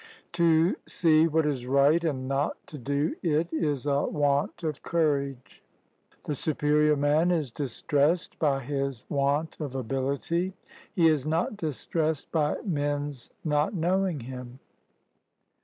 To see what is right and not to do it is a want of courage. The superior man is distressed by his want of ability; he is not distressed by men's not knowing him.